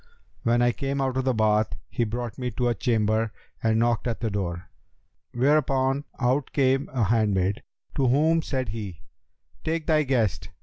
When I came out of the Bath he brought me to a chamber and knocked at the door, whereupon out came a handmaid, to whom said he, 'Take thy guest!'